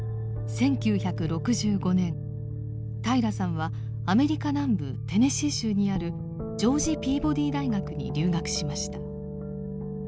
１９６５年平良さんはアメリカ南部テネシー州にあるジョージ・ピーボディ大学に留学しました。